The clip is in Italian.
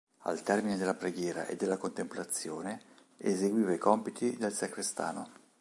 Al termine della preghiera e della contemplazione, eseguiva i compiti del sacrestano.